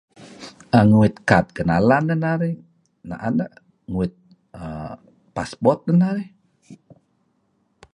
An nguit kad kenalan neh narih na'en neh nguit err passport neh narih.